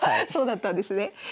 そうだったんですね。